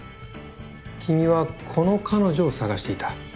君はこの彼女を捜していた。